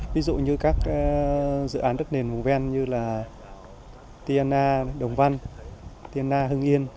ví dụ như các dự án đất nền vùng ven như là tna đồng văn tna hưng yên